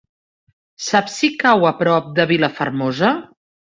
Saps si cau a prop de Vilafermosa?